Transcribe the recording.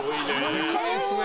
でかいですね。